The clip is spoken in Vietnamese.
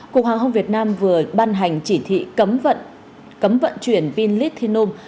cục hàng không việt nam vừa ban hành chỉ thị cấm vận chuyển pin lithium